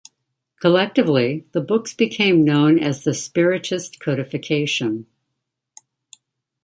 Collectively, the books became known as the Spiritist Codification.